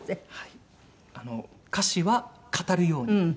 「歌詞は語るように」。